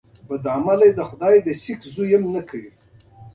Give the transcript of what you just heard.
د علي ټولې چارې له شرعې نه کېږي دي.